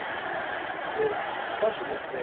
でしかしですね